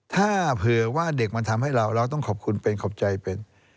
ถ้าเผื่อว่าเด็กมันทำให้เราเราต้องขอบคุณเป็นขอบใจเป็น